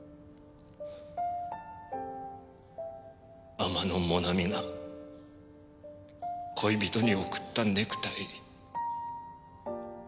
天野もなみが恋人に贈ったネクタイ。